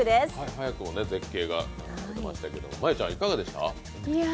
早くも絶景が出ていましたけど、真悠ちゃんいかがでした？